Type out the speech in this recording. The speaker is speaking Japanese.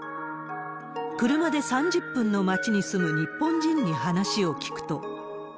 車で３０分の町に住む日本人に話を聞くと。